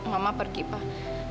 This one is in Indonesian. mama pergi pak